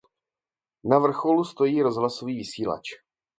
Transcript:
Na vrcholu stojí rozhlasový vysílač.